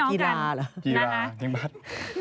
เป็นเกียราหรอ